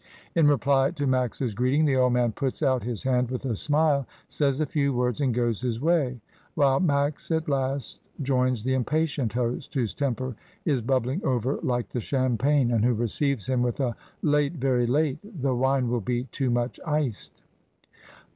In reply to Max's greeting the old man puts out his hand with a smile, says a few words and goes his way, while Max at last joins the impatient host, whose temper is bubbling over like the champagne, and who receives him with a "Late, very late, the wine will be too much iced."